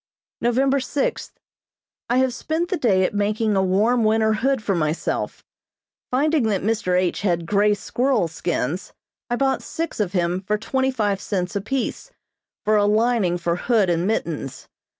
November sixth: I have spent the day at making a warm winter hood for myself. Finding that Mr. H. had grey squirrel skins, I bought six of him for twenty five cents apiece, for a lining for hood and mittens.